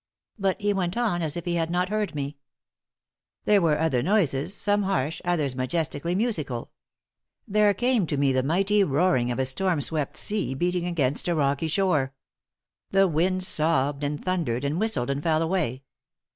But he went on as if he had not heard me. "There were other noises, some harsh, others majestically musical. There came to me the mighty roaring of a storm swept sea beating against a rocky shore. The winds sobbed and thundered and whistled and fell away.